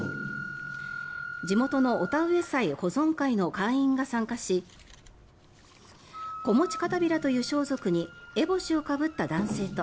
地元の御田植祭保存会の会員が参加し子持帷子という装束に烏帽子をかぶった男性と